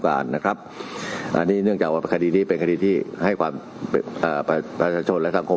มีศาสตราจารย์พิเศษวิชามหาคุณเป็นประธานคณะกรรมการไปรูปประเทศด้านกรวมความวิทยาลัยธรรม